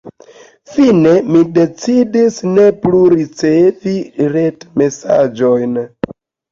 Fine mi decidis ne plu ricevi retmesaĝojn.